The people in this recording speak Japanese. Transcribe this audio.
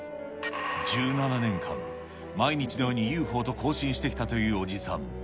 １７年間、毎日のようにＵＦＯと交信してきたというおじさん。